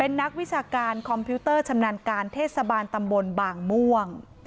นักวิชาการคอมพิวเตอร์ชำนาญการเทศบาลตำบลบางม่วง